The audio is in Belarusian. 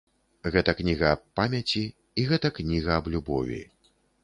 Гэта кніга аб памяці і гэта кніга аб любові.